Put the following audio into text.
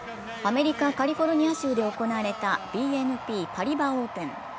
アメリカ・カリフォルニア州で行われたＢＮＰパリバ・オープン。